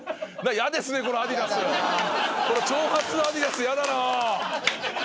この長髪のアディダスヤダな！